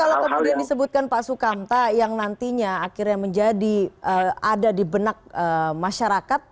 kalau kemudian disebutkan pak sukamta yang nantinya akhirnya menjadi ada di benak masyarakat